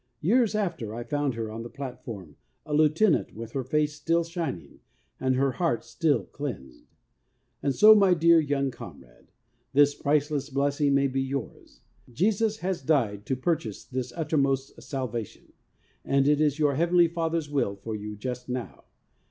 Years after, I found her on the platform, a Lieutenant, with her face still shining, and her heart still cleansed. And so, my dear young comrade, this priceless blessing may be yours. Jesus has died to purchase this uttermost Salvation, and it is your Heavenly Father's will for you, just now.